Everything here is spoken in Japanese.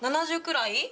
７０くらい？